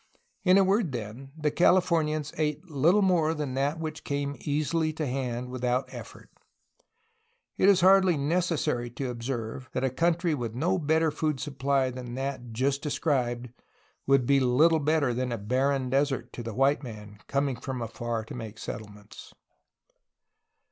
In a word, then, the Calif ornians ate little more than that which came easily to hand without effort. It is hardly necessary to observe, that a country with no better food supply than that just described would be little better than a barren desert to the white man coming from afar to make settlements.